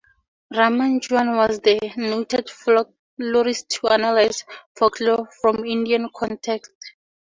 Ramanjuan was the noted folklorist to analyse folklore from Indian context.